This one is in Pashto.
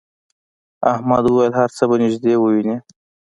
احمد وویل هر څه به نږدې ووینې.